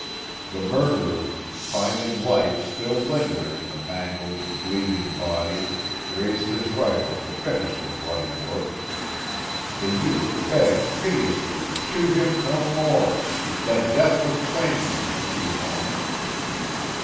The murderer, finding life still lingering in the mangled, bleeding body, raised his rifle to finish the bloody work. The youth begged piteously to shoot him no more, that death would claim him in a few moments.